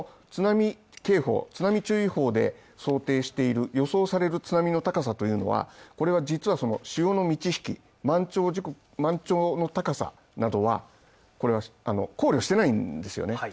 その場合この津波警報、津波注意報で想定している予想される津波の高さというのは、これは実はその満ち引き満潮時刻、満潮の高さなどは、これはあの考慮してないんですよね。